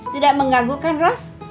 tidak mengagukan ros